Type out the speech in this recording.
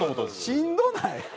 しんどない？